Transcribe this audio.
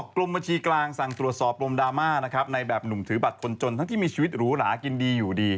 คือแบบหนุ่มถือบัตรคนจนทั้งที่มีชีวิตหรูหรากินดีอยู่ดี